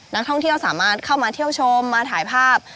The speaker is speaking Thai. นักท่องเที่ยวสามารถเข้ามาเที่ยวชมมาถ่ายภาพ